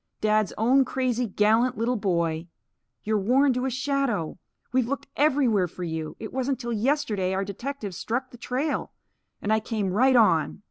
"Dad's own crazy, gallant little boy! You're worn to a shadow! We've looked everywhere for you. It wasn't till yesterday our detectives struck the trail. And I came right on."